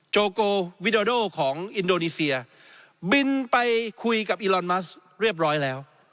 โกโกวิโดของอินโดนีเซียบินไปคุยกับอีลอนมัสเรียบร้อยแล้ว